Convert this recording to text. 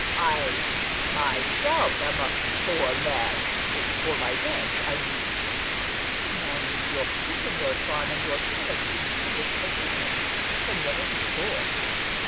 I myself am a poor man; for my rank I mean." "A man with your position, Lord Fawn, and your talents and genius for business, can never be poor."